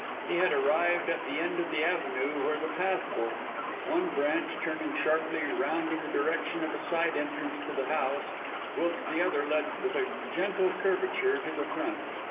He had arrived at the end of the avenue, where the path forked; one branch turning sharply round in the direction of a side entrance to the house, whilst the other led with a gentle curvature to the front.